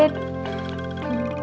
duduk dulu kau bet